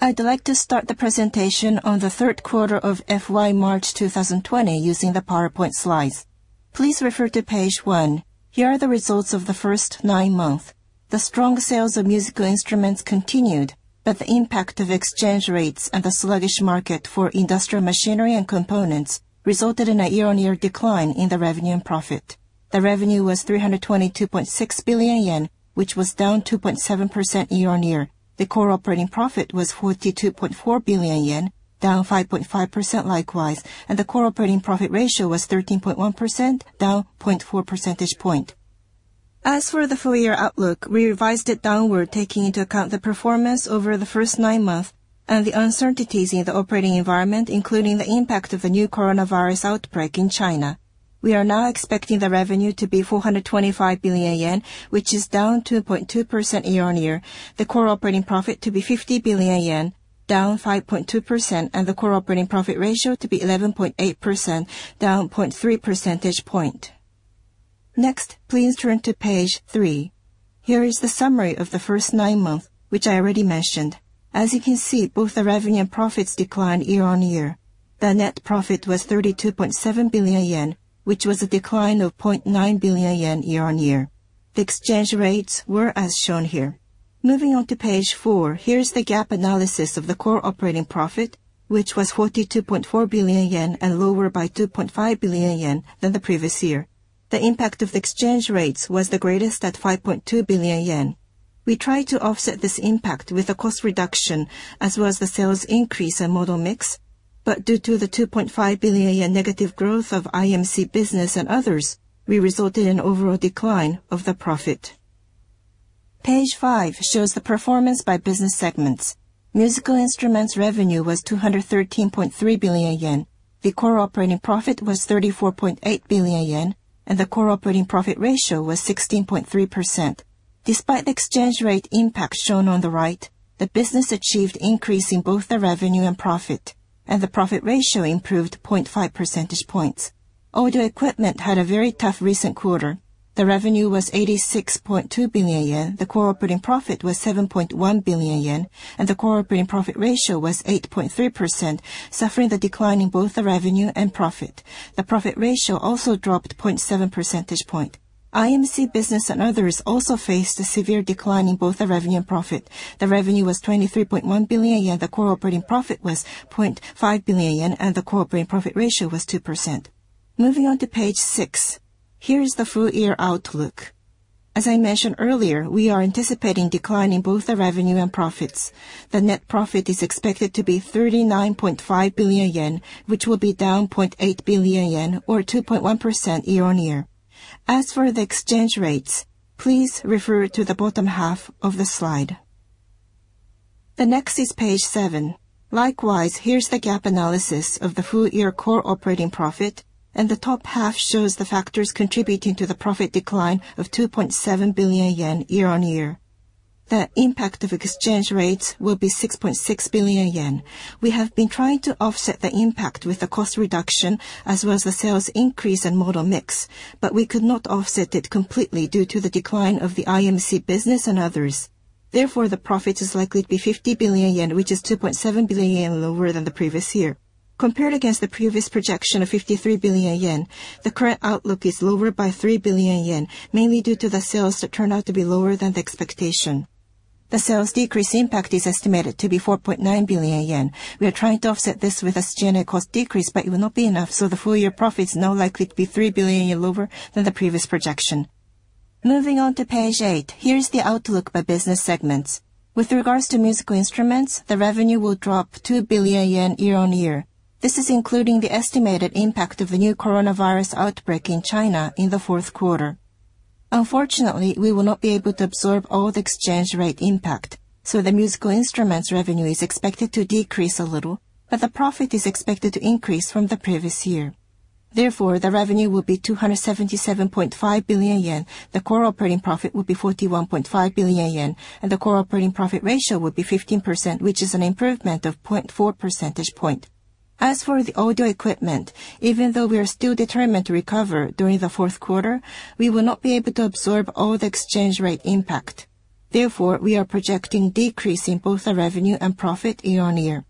I'd like to start the presentation on the third quarter of FY March 2020 using the PowerPoint slides. Please refer to page one. Here are the results of the first nine months. The strong sales of musical instruments continued, the impact of exchange rates and the sluggish market for industrial machinery and components resulted in a year-on-year decline in the revenue and profit. The revenue was 322.6 billion yen, which was down 2.7% year-on-year. The core operating profit was 42.4 billion yen, down 5.5% likewise, and the core operating profit ratio was 13.1%, down 0.4 percentage point. As for the full-year outlook, we revised it downward, taking into account the performance over the first nine months and the uncertainties in the operating environment, including the impact of the new coronavirus outbreak in China. We are now expecting the revenue to be 425 billion yen, which is down 2.2% year-on-year. The core operating profit to be 50 billion yen, down 5.2%, and the core operating profit ratio to be 11.8%, down 0.3 percentage point. Next, please turn to page three. Here is the summary of the first nine months, which I already mentioned. As you can see, both the revenue and profits declined year-on-year. The net profit was 32.7 billion yen, which was a decline of 0.9 billion yen year-on-year. The exchange rates were as shown here. Moving on to page four, here is the gap analysis of the core operating profit, which was 42.4 billion yen and lower by 2.5 billion yen than the previous year. The impact of the exchange rates was the greatest at 5.2 billion yen. We tried to offset this impact with a cost reduction as well as the sales increase and model mix, but due to the 2.5 billion yen negative growth of IMC business and others, we resulted in overall decline of the profit. Page five shows the performance by business segments. Musical instruments revenue was 213.3 billion yen. The core operating profit was 34.8 billion yen, and the core operating profit ratio was 16.3%. Despite the exchange rate impact shown on the right, the business achieved increase in both the revenue and profit, and the profit ratio improved 0.5 percentage points. Audio Equipment had a very tough recent quarter. The revenue was 86.2 billion yen. The core operating profit was 7.1 billion yen, and the core operating profit ratio was 8.3%, suffering the decline in both the revenue and profit. The profit ratio also dropped 0.7 percentage point. IMC business and others also faced a severe decline in both the revenue and profit. The revenue was 23.1 billion yen. The core operating profit was 0.5 billion yen, and the core operating profit ratio was 2%. Moving on to page six. Here is the full-year outlook. As I mentioned earlier, we are anticipating decline in both the revenue and profits. The net profit is expected to be 39.5 billion yen, which will be down 0.8 billion yen or 2.1% year-on-year. As for the exchange rates, please refer to the bottom half of the slide. The next is page seven. Likewise, here is the gap analysis of the full-year core operating profit, and the top half shows the factors contributing to the profit decline of 2.7 billion yen year-on-year. The impact of exchange rates will be 6.6 billion yen. We have been trying to offset the impact with a cost reduction as well as the sales increase and model mix, but we could not offset it completely due to the decline of the IMC business and others. Therefore, the profit is likely to be 50 billion yen, which is 2.7 billion yen lower than the previous year. Compared against the previous projection of 53 billion yen, the current outlook is lower by 3 billion yen mainly due to the sales that turn out to be lower than the expectation. The sales decrease impact is estimated to be 4.9 billion yen. We are trying to offset this with a general cost decrease, but it will not be enough, so the full-year profit is now likely to be 3 billion yen lower than the previous projection. Moving on to page eight. Here is the outlook by business segments. With regards to musical instruments, the revenue will drop 2 billion yen year-on-year. This is including the estimated impact of the new coronavirus outbreak in China in the fourth quarter. Unfortunately, we will not be able to absorb all the exchange rate impact, so the musical instruments revenue is expected to decrease a little, but the profit is expected to increase from the previous year. The revenue will be 277.5 billion yen. The core operating profit will be 41.5 billion yen, and the core operating profit ratio will be 15%, which is an improvement of 0.4 percentage point. As for the audio equipment, even though we are still determined to recover during the fourth quarter, we will not be able to absorb all the exchange rate impact. We are projecting decrease in both the revenue and profit year-on-year.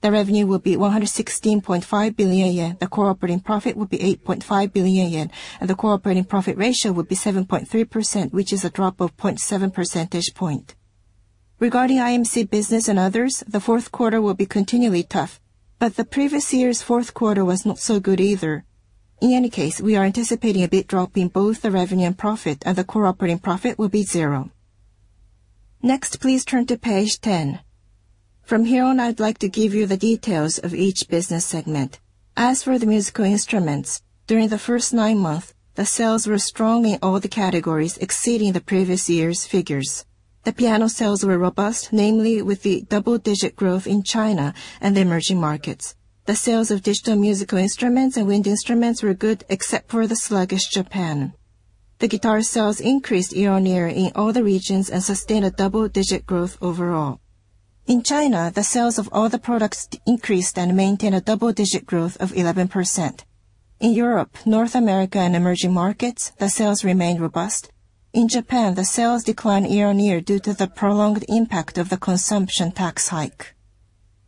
The revenue will be 116.5 billion yen. The core operating profit will be 8.5 billion yen and the core operating profit ratio will be 7.3%, which is a drop of 0.7 percentage point. Regarding IMC business and others, the fourth quarter will be continually tough. The previous year's fourth quarter was not so good either. In any case, we are anticipating a bit drop in both the revenue and profit, and the core operating profit will be zero. Next, please turn to page 10. From here on, I'd like to give you the details of each business segment. As for the musical instruments, during the first nine months, the sales were strong in all the categories exceeding the previous year's figures. The piano sales were robust, namely with the double-digit growth in China and the emerging markets. The sales of digital musical instruments and wind instruments were good except for the sluggish Japan. The guitar sales increased year-on-year in all the regions and sustained a double-digit growth overall. In China, the sales of all the products increased and maintained a double-digit growth of 11%. In Europe, North America, and emerging markets, the sales remained robust. In Japan, the sales declined year-on-year due to the prolonged impact of the consumption tax hike.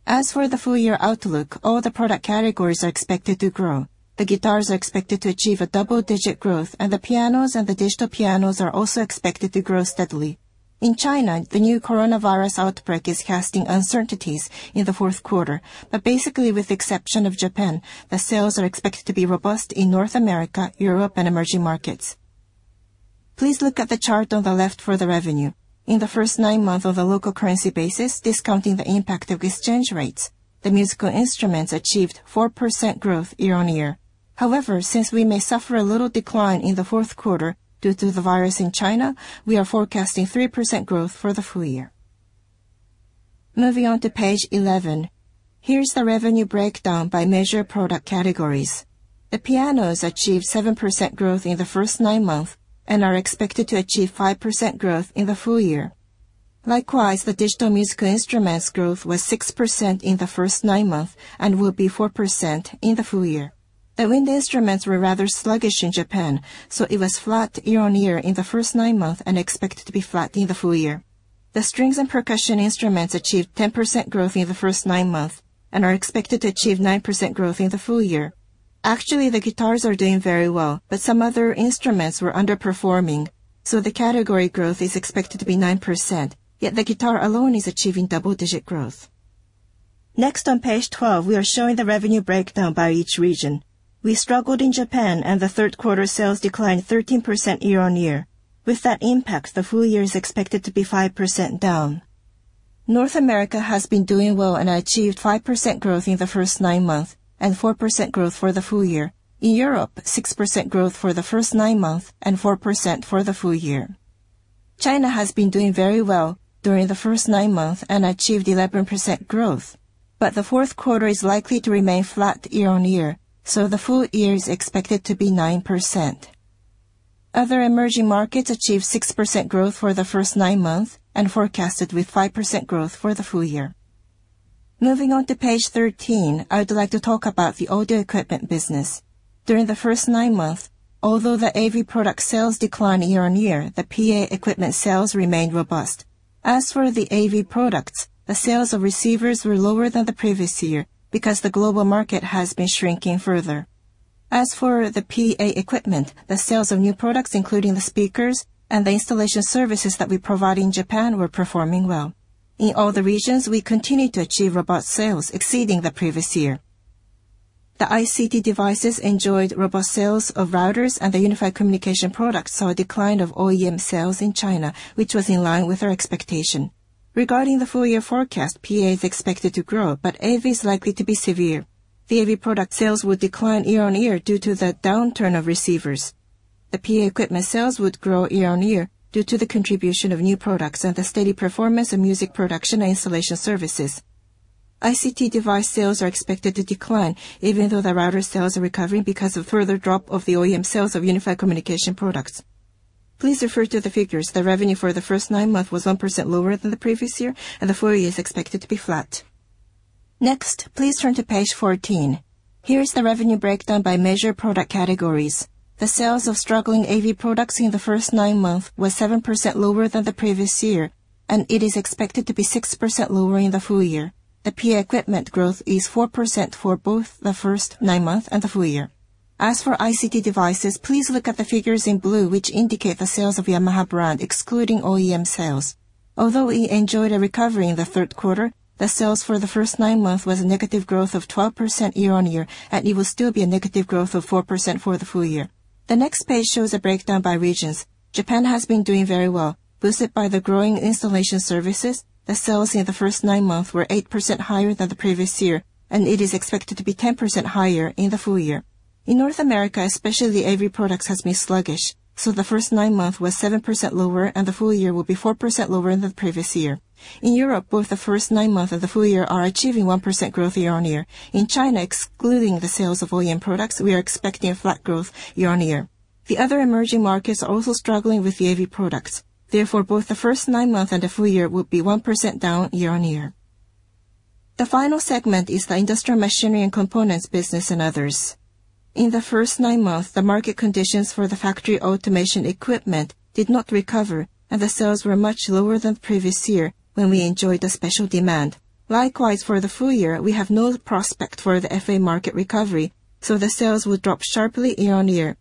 As for the full-year outlook, all the product categories are expected to grow. The guitars are expected to achieve a double-digit growth, and the pianos and the digital pianos are also expected to grow steadily. In China, the new coronavirus outbreak is casting uncertainties in the fourth quarter. Basically, with the exception of Japan, the sales are expected to be robust in North America, Europe, and emerging markets. Please look at the chart on the left for the revenue. In the first nine months on a local currency basis, discounting the impact of exchange rates, the musical instruments achieved 4% growth year-on-year. However, since we may suffer a little decline in the fourth quarter due to the virus in China, we are forecasting 3% growth for the full year. Moving on to page 11, here's the revenue breakdown by major product categories. The pianos achieved 7% growth in the first nine months and are expected to achieve 5% growth in the full year. Likewise, the digital musical instruments growth was 6% in the first nine months and will be 4% in the full year. The wind instruments were rather sluggish in Japan, so it was flat year-on-year in the first nine months and expected to be flat in the full year. The strings and percussion instruments achieved 10% growth in the first nine months and are expected to achieve 9% growth in the full year. The guitars are doing very well, but some other instruments were underperforming, so the category growth is expected to be 9%, yet the guitar alone is achieving double-digit growth. On page 12, we are showing the revenue breakdown by each region. We struggled in Japan and the third quarter sales declined 13% year-on-year. With that impact, the full year is expected to be 5% down. North America has been doing well and achieved 5% growth in the first nine months, and 4% growth for the full year. In Europe, 6% growth for the first nine months and 4% for the full year. China has been doing very well during the first nine months and achieved 11% growth. The fourth quarter is likely to remain flat year-on-year, so the full year is expected to be 9%. Other emerging markets achieved 6% growth for the first nine months and forecasted with 5% growth for the full year. Moving on to page 13, I would like to talk about the audio equipment business. During the first nine months, although the AV product sales declined year-on-year, the PA equipment sales remained robust. As for the AV products, the sales of receivers were lower than the previous year because the global market has been shrinking further. As for the PA equipment, the sales of new products, including the speakers and the installation services that we provide in Japan, were performing well. In all the regions, we continued to achieve robust sales exceeding the previous year. The ICT devices enjoyed robust sales of routers, and the unified communication products saw a decline of OEM sales in China, which was in line with our expectation. Regarding the full year forecast, PA is expected to grow, but AV is likely to be severe. The AV product sales will decline year-on-year due to the downturn of receivers. The PA equipment sales would grow year-on-year due to the contribution of new products and the steady performance of music production and installation services. ICT device sales are expected to decline even though the router sales are recovering because of further drop of the OEM sales of unified communication products. Please refer to the figures. The revenue for the first nine months was 1% lower than the previous year, and the full year is expected to be flat. Next, please turn to page 14. Here is the revenue breakdown by major product categories. The sales of struggling AV products in the first nine months were 7% lower than the previous year, and it is expected to be 6% lower in the full year. The PA equipment growth is 4% for both the first nine months and the full year. As for ICT devices, please look at the figures in blue, which indicate the sales of Yamaha brand, excluding OEM sales. Although we enjoyed a recovery in the third quarter, the sales for the first nine months was a negative growth of 12% year-on-year, and it will still be a negative growth of 4% for the full year. The next page shows a breakdown by regions. Japan has been doing very well. Boosted by the growing installation services, the sales in the first nine months were 8% higher than the previous year, and it is expected to be 10% higher in the full year. In North America, especially, the AV products have been sluggish, so the first nine months were 7% lower, and the full year will be 4% lower than the previous year. In Europe, both the first nine months and the full year are achieving 1% growth year-on-year. In China, excluding the sales of OEM products, we are expecting a flat growth year-on-year. The other emerging markets are also struggling with the AV products. Therefore, both the first nine months and the full year will be 1% down year-on-year. The final segment is the industrial machinery and components business and others. In the first nine months, the market conditions for the factory automation equipment did not recover, the sales were much lower than the previous year when we enjoyed a special demand. Likewise, for the full year, we have no prospect for the FA market recovery, the sales will drop sharply year-on-year.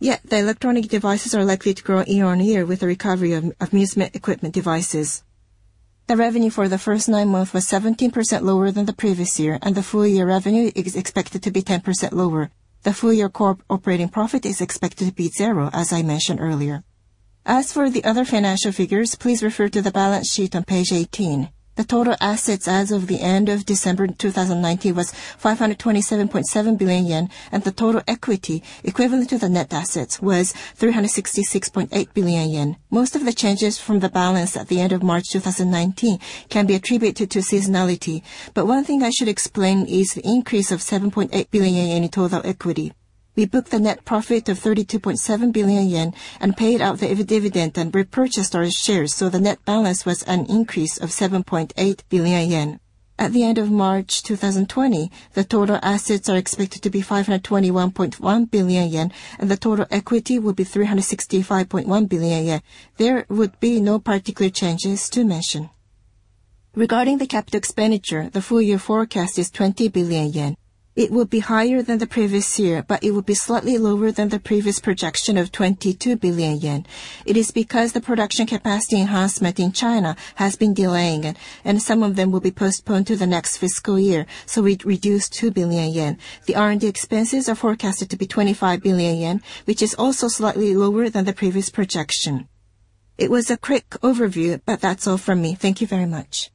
Yet, the electronic devices are likely to grow year-on-year with the recovery of amusement equipment devices. The revenue for the first nine months was 17% lower than the previous year, the full year revenue is expected to be 10% lower. The full year operating profit is expected to be zero, as I mentioned earlier. As for the other financial figures, please refer to the balance sheet on page 18. The total assets as of the end of December 2019 was 527.7 billion yen, the total equity equivalent to the net assets was 366.8 billion yen. Most of the changes from the balance at the end of March 2019 can be attributed to seasonality. One thing I should explain is the increase of 7.8 billion yen in total equity. We booked a net profit of 32.7 billion yen and paid out the dividend and repurchased our shares, the net balance was an increase of 7.8 billion yen. At the end of March 2020, the total assets are expected to be 521.1 billion yen, and the total equity will be 365.1 billion yen. There would be no particular changes to mention. Regarding the capital expenditure, the full year forecast is 20 billion yen. It will be higher than the previous year, it will be slightly lower than the previous projection of 22 billion yen. It is because the production capacity enhancement in China has been delaying, and some of them will be postponed to the next fiscal year. We reduced 2 billion yen. The R&D expenses are forecasted to be 25 billion yen, which is also slightly lower than the previous projection. It was a quick overview. That's all from me. Thank you very much.